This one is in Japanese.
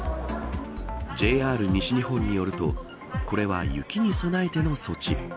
ＪＲ西日本によるとこれは、雪に備えての措置。